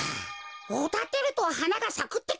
おだてるとはながさくってか？